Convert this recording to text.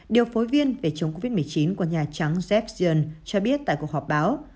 điều phối viên về chống covid một mươi chín của nhà trắng jaffion cho biết tại cuộc họp báo